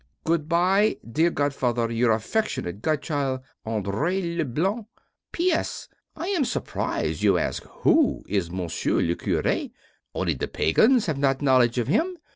Goodbye, dear godfather, Your affeckshunate godchild, Andree Leblanc. P.S. I am surprise you ask who is M. le Curé. Only the pagans have not knowledge of him.